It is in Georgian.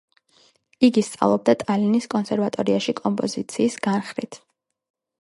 იგი სწავლობდა ტალინის კონსერვატორიაში კომპოზიციის განხრით.